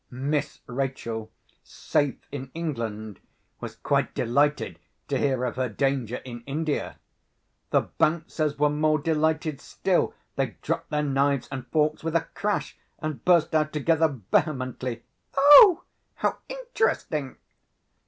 Miss Rachel, safe in England, was quite delighted to hear of her danger in India. The Bouncers were more delighted still; they dropped their knives and forks with a crash, and burst out together vehemently, "O! how interesting!"